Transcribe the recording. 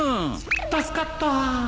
助かったー！